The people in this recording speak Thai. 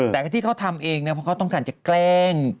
แต่ที่เขาทำเองเขาต้องการเกล้ง